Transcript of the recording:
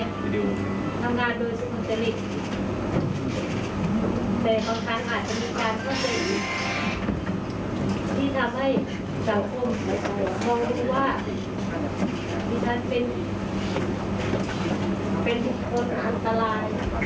ไม่ได้ตั้งเจนที่จะเป็นแบบนั้น